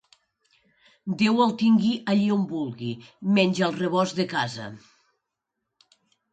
Déu el tingui allí on vulgui, menys al rebost de casa.